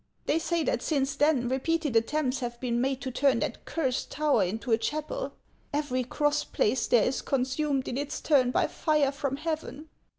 They say that since then repeated attempts have been made to turn that cursed tower into a chapel ; every cross placed there, is consumed in its turn by fire from heaven."